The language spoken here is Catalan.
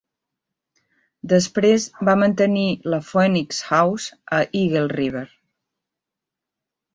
Després va mantenir la Phoenix House a Eagle River.